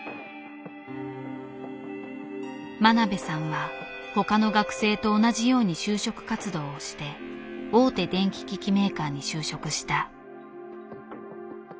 真鍋さんは他の学生と同じように就職活動をして大手電気機器メーカーに就職した。